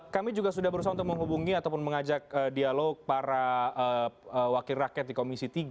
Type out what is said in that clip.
kami juga sudah berusaha untuk menghubungi ataupun mengajak dialog para wakil rakyat di komisi tiga